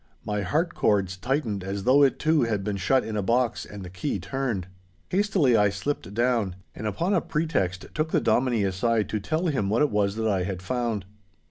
My heart cords tightened as though it too had been shut in a box and the key turned. Hastily I slipped down, and upon a pretext took the Dominie aside to tell him what it was that I had found.